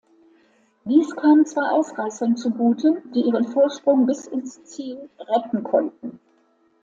Dies kam zwei Ausreißern zugute, die ihren Vorsprung bis ins Ziel retten konnten.